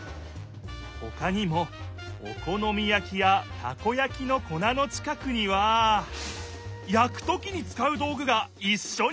ほかにもおこのみやきやたこやきのこなの近くにはやくときに使う道ぐがいっしょにおいてあった！